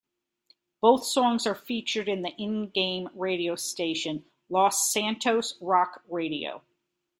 Both songs are featured in the in-game radio station, Los Santos Rock Radio.